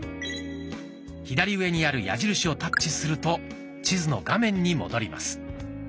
左上にある矢印をタッチすると地図の画面に戻ります。